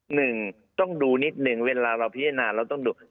หนึ่งต้องดูนิดหนึ่งเวลาเราพิจารณาเราต้องดู